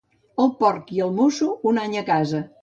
El porc i el mosso, un any a casa.